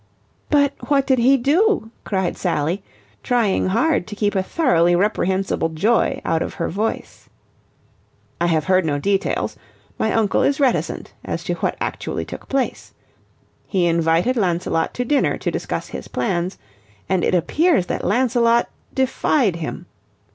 "But what did he do?" cried Sally, trying hard to keep a thoroughly reprehensible joy out of her voice. "I have heard no details. My uncle is reticent as to what actually took place. He invited Lancelot to dinner to discuss his plans, and it appears that Lancelot defied him.